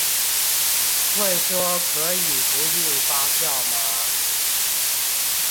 問說可以不印發票嗎？